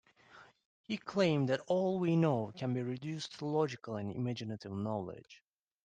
He claimed that all we know can be reduced to logical and imaginative knowledge.